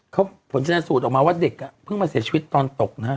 เขาผลชนะสูตรออกมาว่าเด็กเพิ่งมาเสียชีวิตตอนตกนะฮะ